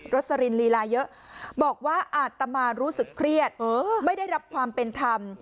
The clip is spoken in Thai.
สลินลีลาเยอะบอกว่าอาตมารู้สึกเครียดไม่ได้รับความเป็นธรรม